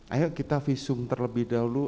ayo kita visum terlebih dahulu